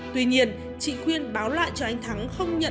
tuy nhiên chị khuyên báo lại cho anh thắng không nhận